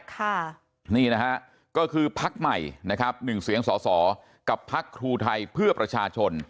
ค่ะนี่นะฮะก็คือพักใหม่นะครับหนึ่งเสียงสอสอกับพักครูไทยเพื่อประชาชน